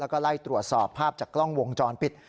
แล้วก็ไล่ตรวจสอบภาพจากกล้องวงจรปิด